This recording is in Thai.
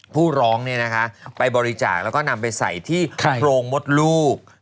ผู้ร้องไปบริจาคแล้วก็นำไปใส่ที่โพรงมดลูก